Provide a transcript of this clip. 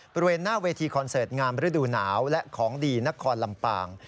บริเวณหน้าเวทีคอนเสิร์ตงามฤดูหนาวและของดีนครลำปาง